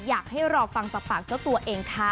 อยากให้รอฟังจากปากเจ้าตัวเองค่ะ